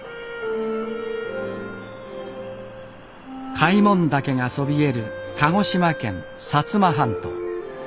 開聞岳がそびえる鹿児島県摩半島。